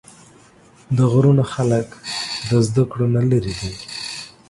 د غرونو خلق د زدکړو نه لرې دي